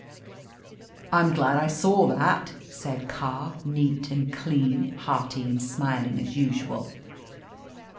"I am glad I saw that," said Carr, neat and clean, hearty and smiling as usual.